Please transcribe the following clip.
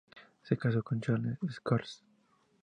Se casó con Charles Scorsese.